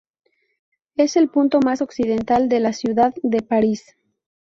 Es el punto más occidental de la ciudad de Paris.